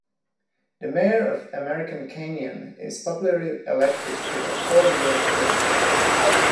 The mayor of American Canyon is popularly elected to a four-year term.